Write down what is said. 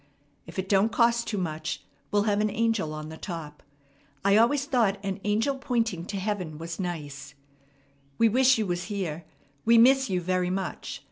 If it don't cost too much, we'll have an angle on the top. I always thought an angle pointing to heaven was nice. We wish you was here. We miss you very much.